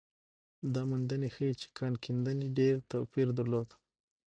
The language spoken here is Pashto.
دا موندنې ښيي چې کان کیندنې ډېر توپیر درلود.